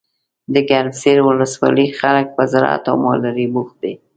دګرمسیر ولسوالۍ خلګ په زراعت او مالدارۍ بوخت دي.